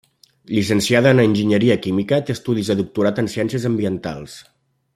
Llicenciada en enginyeria química, té estudis de doctorat en Ciències Ambientals.